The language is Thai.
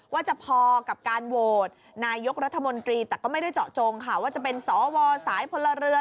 ว่าจะพอกับการโหวตนายกรัฐมนตรีแต่ก็ไม่ได้เจาะจงค่ะว่าจะเป็นสวสายพลเรือน